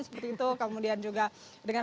seperti itu kemudian juga dengan